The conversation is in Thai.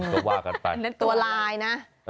จะว่ากันไปเหมือนเล็ตโทขออนุอัล